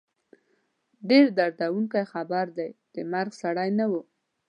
ډېر دردوونکی خبر دی، د مرګ سړی نه وو